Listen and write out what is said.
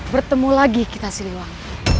bertemu lagi kita siliwang